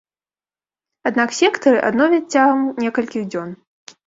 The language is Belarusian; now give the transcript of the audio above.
Аднак сектары адновяць цягам некалькіх дзён.